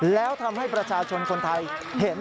แล้วทำให้ประชาชนคนไทยเห็น